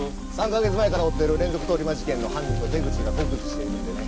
３カ月前から追っている連続通り魔事件の犯人と手口が酷似しているんでね。